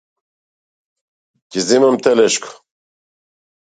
Ќе земам телешко.